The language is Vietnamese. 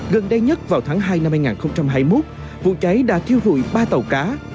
gần đây nhất vào tháng hai năm hai nghìn hai mươi một vụ cháy đã thiêu dụi ba tàu cá